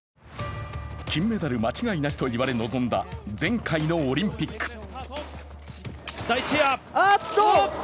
金メダル間違いなしといわれ臨んだ前回のオリンピック。